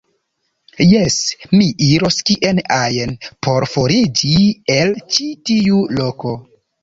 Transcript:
Jes, mi iros kien ajn, por foriĝi el ĉi tiu loko.